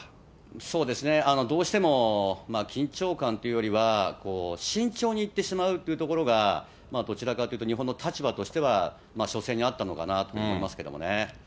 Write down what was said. そうですね、どうしても緊張感っていうよりは、慎重にいってしまうっていうところが、どちらかというと、日本の立場としては初戦にあったのかなと思いますけどね。